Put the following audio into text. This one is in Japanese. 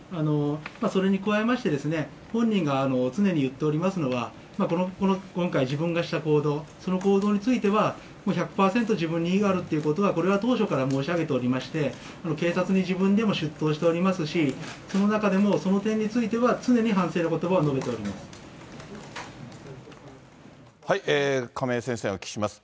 それに加えまして、本人が常に言っておりますのは、今回、自分がした行動、その行動については、もう１００％自分に非があるというのは、これは当初から申し上げておりまして、警察に自分でも出頭しておりますし、その中でも、その点については、常に反省のことばを述亀井先生にお聞きします。